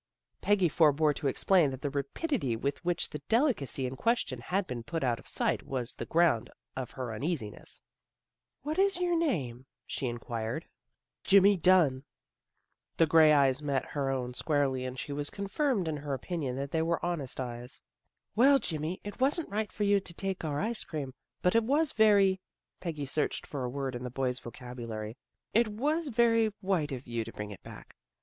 Peggy forebore to explain that the rapidity with which the delicacy in question had been put out of sight was the ground of her uneasi ness. " What is your name? " she inquired. THE RAPIDITY WITH WHICH THE ICE CHEAM DISAPPEARED WAS STARTLING, TO SAY THE LEAST." THE BAZAR 117 " Jimmy Dunn." The gray eyes met her own squarely and she was confirmed in her opinion that they were honest eyes. " Well, Jimmy, it wasn't right for you to take our ice cream, but it was very ' Peggy searched for a word in the boy's vocabulary " It was very white of you to bring it back.